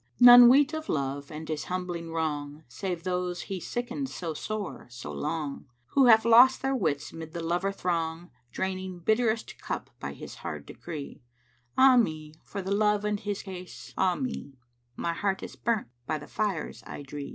None weet of Love and his humbling wrong * Save those he sickened so sore, so long, Who have lost their wits 'mid the lover throng * Draining bitterest cup by his hard decree: 'Ah me, for Love and his case, ah me: My heart is burnt by the fires I dree!'